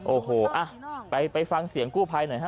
โอ้โหไปฟังเสียงกู้ภัยหน่อยฮะ